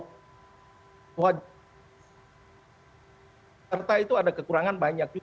kerta itu ada kekurangan banyak